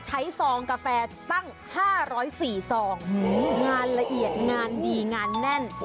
ซองกาแฟตั้ง๕๐๔ซองงานละเอียดงานดีงานแน่น